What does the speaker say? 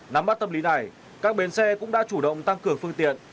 nắm bắt tâm lý này các bến xe cũng đã chủ động tăng cường phương tiện